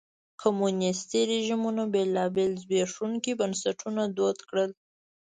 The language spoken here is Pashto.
کمونیستي رژیمونو بېلابېل زبېښونکي بنسټونه دود کړل.